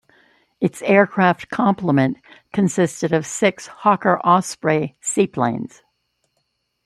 Its aircraft complement consisted of six Hawker Osprey seaplanes.